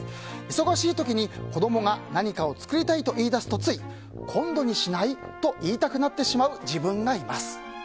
忙しい時に子供が何かを作りたいと言い出すとつい、今度にしない？と言いたくなってしまう自分がいます。